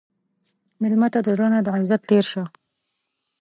مېلمه ته د زړه نه د عزت تېر شه.